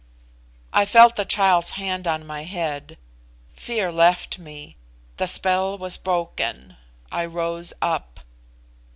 I felt the child's hand on my head fear left me the spell was broken I rose up.